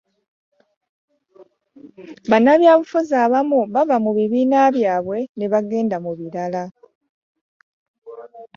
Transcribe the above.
Bannabyabufuzi abamu bava mu bibiina byabwe me bagenda mu birala.